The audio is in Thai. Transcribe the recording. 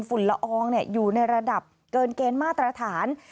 ละอองอยู่ในระดับเกินเกณฑ์มาตรฐาน